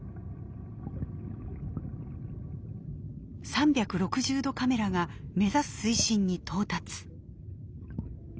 ３６０度カメラが目指す水深に到達。